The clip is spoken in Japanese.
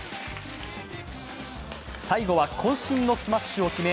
最後は、こん身のスマッシュを決め